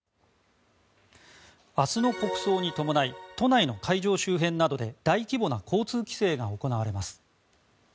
明日の国葬に伴い都内の会場周辺などで大規模な交通規制が行われます。